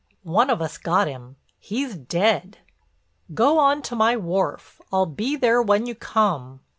One of us got him—he's dead." "Go on to my wharf; I'll be there when you come."